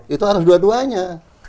itu harus dua duanya